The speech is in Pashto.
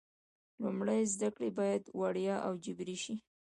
لومړنۍ زده کړې باید وړیا او جبري شي.